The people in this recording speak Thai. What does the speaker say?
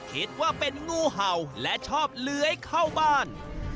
คิดว่าเป็นงูเห่าและชอบเลื้อยเข้าบ้าน